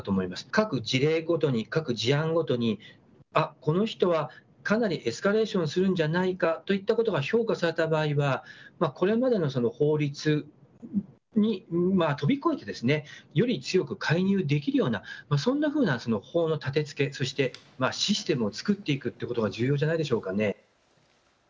各事例ごとに、各事案ごとに、この人はかなりエスカレーションするんじゃないかといったことが評価された場合はこれまでの法律を飛び越えてより強く介入できるようなそんなふうの方の立てつけ、そしてシステムを作っていくということが重要じゃないでしょうかね。